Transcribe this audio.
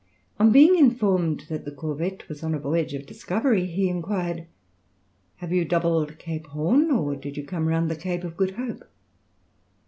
On being informed that the corvette was on a voyage of discovery, he inquired, "Have you doubled Cape Horn or did you come round the Cape of Good Hope?"